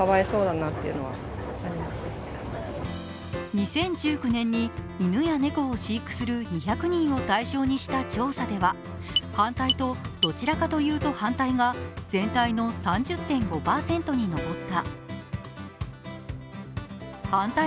２０１９年に犬や猫を飼育する２００人を対象にした調査では反対と、どちらかというと反対が全体の３０．５％に上った。